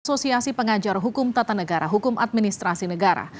asosiasi pengajar hukum tata negara hukum administrasi negara